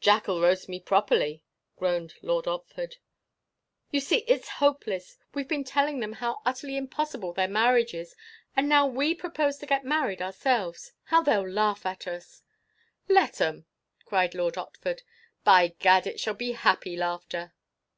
"Jack'll roast me properly!" groaned Lord Otford. "You see it's hopeless! We've been telling them how utterly impossible their marriage is, and now we propose to get married ourselves! How they 'll laugh at us!" "Let 'em!" cried Lord Otford. "By Gad, it shall be happy laughter!"